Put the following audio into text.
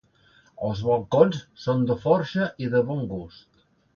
Els balcons són de forja i de bon gust.